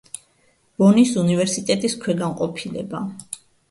ბონის უნივერსიტეტის ქვეგანყოფილება.